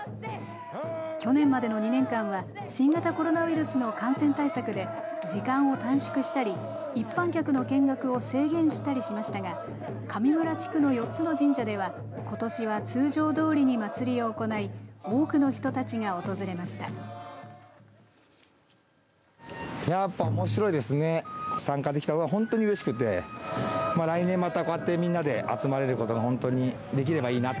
去年までの２年間は新型コロナウイルスの感染対策で時間を短縮したり一般客の見学を制限したりしましたが上村地区の４つの神社ではことしは通常どおりに祭りを行い多くの人たちが訪れました。